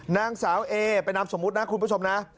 นางสาวเอเป็นนามสมมุตินะคุณผู้ชมนะ